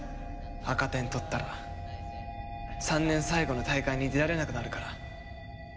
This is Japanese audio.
赤点取ったら３年最後の大会に出られなくなるから。